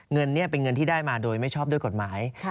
เงินนี้เป็นเงินที่ได้มาโดยไม่ชอบด้วยกฎหมาย